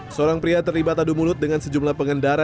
seorang pria terlibat adu mulut dengan sejumlah pengendara